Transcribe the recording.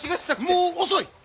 もう遅い！